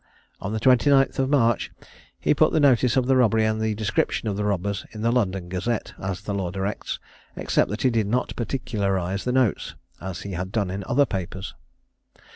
On the 29th of March, he put the notice of the robbery and the description of the robbers in the London Gazette, as the law directs, except that he did not particularize the notes, as he had done in other papers.